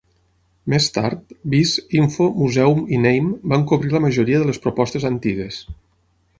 Més tard, biz, info, museum i name van cobrir la majoria de les propostes antigues.